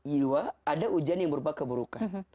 jiwa ada ujian yang berupa keburukan